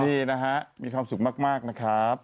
นี่นะฮะมีความสุขมากนะครับ